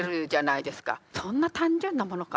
そんな単純なものか？